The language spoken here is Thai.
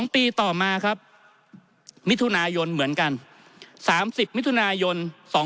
๒ปีต่อมาครับมิถุนายนเหมือนกัน๓๐มิถุนายน๒๕๖